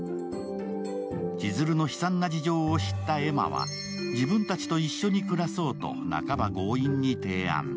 千鶴の悲惨な事情を知った恵真は自分たちと一緒に暮らそうと半ば強引に提案。